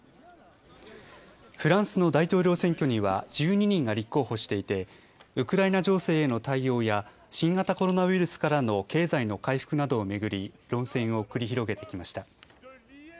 フランスの大統領選挙には１２人が立候補していて、ウクライナ情勢への対応や、新型コロナウイルスからの経済の回復などを巡り、論戦を繰り広げてきました。